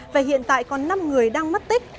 và hiện tại còn năm người đang mất tích